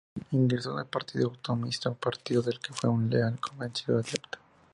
Ingresó en el Partido Autonomista, partido del que fue un leal y convencido adepto.